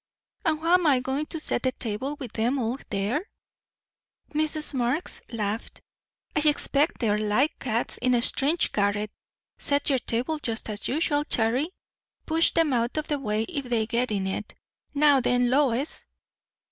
"And how am I going to set the table with them all there?" Mrs. Marx laughed. "I expect they're like cats in a strange garret. Set your table just as usual, Charry; push 'em out o' the way if they get in it. Now then, Lois!"